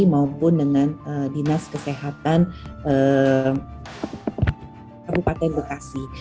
maupun dengan dinas kesehatan kabupaten bekasi